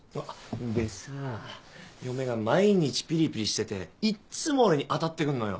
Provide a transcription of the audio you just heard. でさぁ嫁が毎日ぴりぴりしてていっつも俺に当たってくんのよ。